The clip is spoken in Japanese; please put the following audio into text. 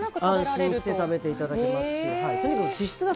安心して食べていただけます